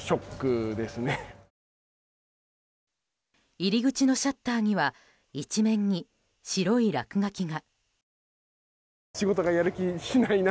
入り口のシャッターには一面に白い落書きが。